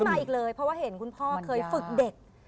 มาอีกเลยเพราะว่าเห็นคุณพ่อเคยฝึกเด็ก